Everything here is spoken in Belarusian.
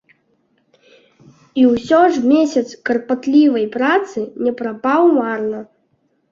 І ўсё ж месяц карпатлівай працы не прапаў марна.